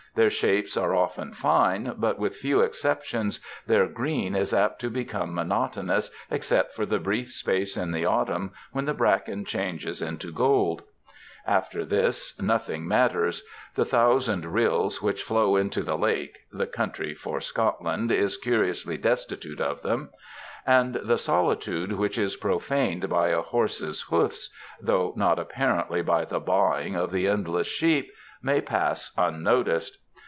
Their shapes are often fine, but, with few exceptions, their green is apt to become mono tonous except for the brief space in the autumn when the bracken changes into gML After this nothing matters. The ^* thousand rills ^ which flow into the lake (the country ŌĆö ^for Scotland ŌĆö ^is curiously destitute of them), and the ^^ solitude ^ which is profaned by a horse's hoo&, though not appŌé¼urently by the baaing of the endless sheep, may pass unnoticed.